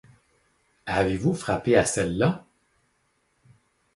Avez-vous frappé à celle-là?